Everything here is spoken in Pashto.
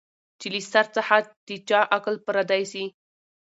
چي له سر څخه د چا عقل پردی سي